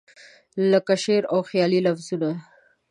لکه شعر او خیال لفظونه